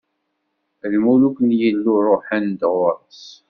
Lmuluk n Yillu ṛuḥen-d ɣur-s.